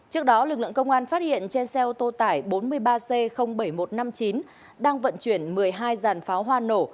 trước đó lực lượng công an phát hiện trên xe ô tô tải bốn mươi ba c bảy nghìn một trăm năm mươi chín đang vận chuyển một mươi hai giàn pháo hoa nổ